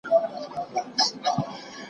کاهو خوب راولي.